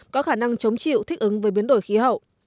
có khả năng chống chịu thích ứng với biến đổi khí hậu